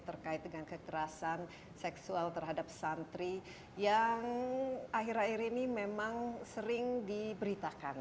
terkait dengan kekerasan seksual terhadap santri yang akhir akhir ini memang sering diberitakan